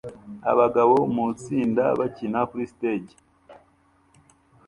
Abagabo mu itsinda bakina kuri stage